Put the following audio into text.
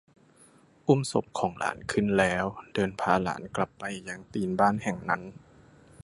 อุ้มศพของหลานขึ้นแล้วเดินพาหลานกลับไปยังตีนบ้านแห่งนั้น